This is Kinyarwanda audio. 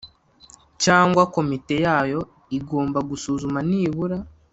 cyangwa komite yayo igomba gusuzuma nibura